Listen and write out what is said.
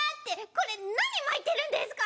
これ何巻いてるんですか？